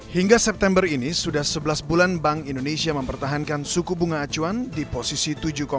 hingga september ini sudah sebelas bulan bank indonesia mempertahankan suku bunga acuan di posisi tujuh